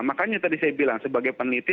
makanya tadi saya bilang sebagai peneliti